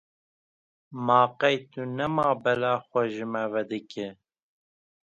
Ma qey tu nema bela xwe ji me vedikî!